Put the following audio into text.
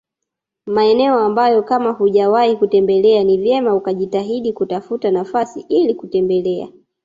Maeneo ambayo kama hujawahi kutembelea ni vyema ukajitahidi kutafuta nafasi ili kutembelea